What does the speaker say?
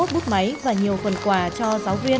hai trăm ba mươi một bút máy và nhiều phần quà cho giáo viên